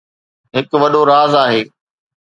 هڪ وڏو راز آهي